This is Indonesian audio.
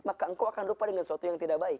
maka engkau akan lupa dengan sesuatu yang tidak baik